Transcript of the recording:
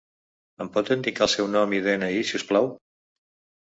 Em pot indicar el seu nom i de-ena-i si us plau?